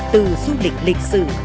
từ du lịch lịch sử